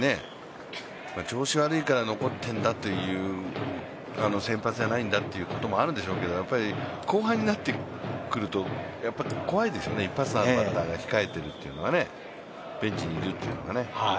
調子悪いから残ってるんだという先発じゃないんだということもあるんだと思いますけど、後半になってくると怖いですよね、一発のあるバッターが控えている、ベンチにいるというのがね。